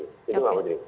itu mbak putri